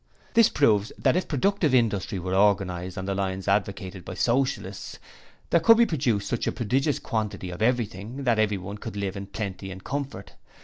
This proves that if productive industry were organized on the lines advocated by Socialists there could be produced such a prodigious quantity of everything, that everyone could live in plenty and comfort.